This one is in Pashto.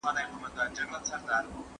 پرځان باور د ورزش سره زیاتېږي.